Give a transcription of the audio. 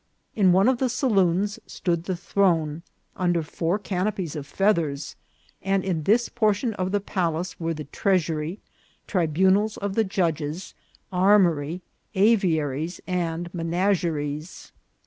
In one of the saloons stood the throne, under four canopies of feathers ; and in this portion of the pal ace were the treasury, tribunals of the judges, armory, aviaries, and menageries.